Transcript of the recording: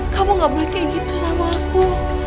kamu gak boleh kayak gitu sama aku